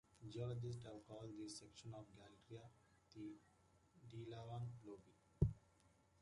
Geologists have called this section of the glacier "the Delavan lobe".